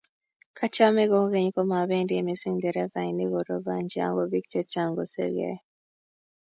kachame kogeny komabendi missing nderefainik ngorobanji ago biik chechang kosirgei